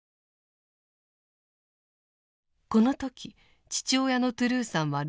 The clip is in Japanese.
この時父親のトゥルーさんは６０代。